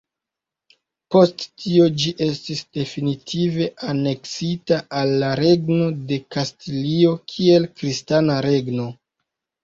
Post tio ĝi estis definitive aneksita al la Regno de Kastilio kiel kristana regno.